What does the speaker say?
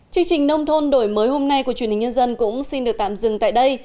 chương trình nông thôn đổi mới hôm nay của truyền hình nhân dân cũng xin được tạm dừng tại đây